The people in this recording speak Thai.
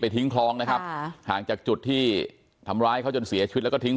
ทิ้งคลองนะครับห่างจากจุดที่ทำร้ายเขาจนเสียชีวิตแล้วก็ทิ้ง